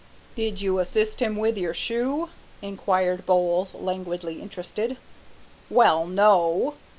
"Did you assist him with your shoe?" inquired Bowles, languidly interested. "Well, no."